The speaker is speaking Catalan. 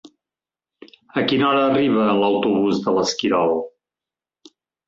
A quina hora arriba l'autobús de l'Esquirol?